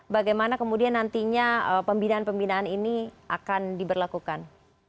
bagaimana kemudian nantinya pembinaan pembinaan ini akan diberlakukan